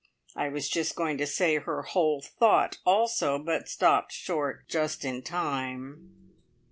I was just going to say "her whole thought" also, but stopped short just in time.